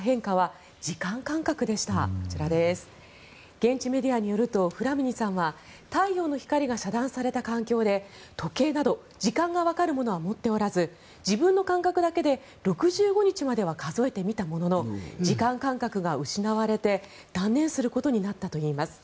現地メディアによるとフラミニさんは太陽の光が遮断された環境で時計など時間がわかるものは持っておらず自分の感覚だけで６５日までは数えてみたものの時間感覚が失われて断念することになったといいます。